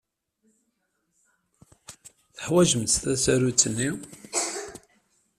Teḥwajemt tasarut-nni?